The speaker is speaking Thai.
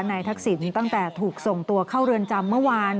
ทักษิณตั้งแต่ถูกส่งตัวเข้าเรือนจำเมื่อวาน